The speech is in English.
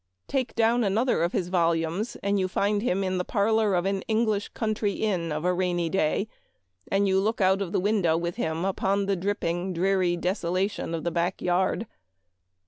Take down another of his volumes, and you find him in the parlor of an English country inn of a rainy day, and you look out of the window with him upon the dripping, dreary desolation of the Memoir of Washington Irving. 293 back yard.